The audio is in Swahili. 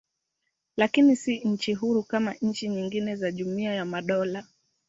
Lakini si nchi huru kama nchi nyingine za Jumuiya ya Madola.